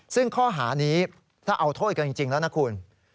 ซึ่งข้อหานี้ถ้าเอาโทษกันจริงแล้วนะคุณ